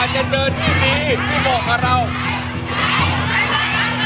จะเจอที่ดีที่เหมาะกับเรา